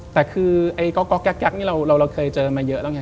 แต่คือไอ้ก๊อกแก๊กนี่เราเคยเจอมาเยอะแล้วไง